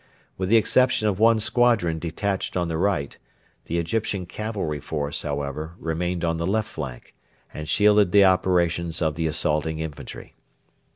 With the exception of one squadron detached on the right, the Egyptian cavalry force, however, remained on the left flank, and shielded the operations of the assaulting infantry.